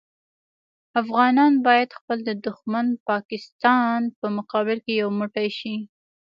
افغانان باید خپل د دوښمن پاکستان په مقابل کې یو موټی شي.